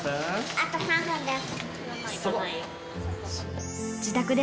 あと３分です。